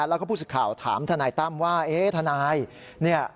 แล้วก็ผู้สึกข่าวถามทนายต้ำว่าทนายเนี่ย